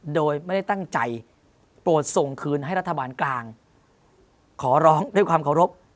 โดยไม่ได้ตั้งใจโปรดส่งคืนให้รัฐบาลกลางขอร้องด้วยความเคารพ